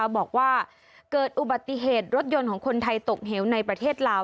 บอกว่าเกิดอุบัติเหตุรถยนต์ของคนไทยตกเหวในประเทศลาว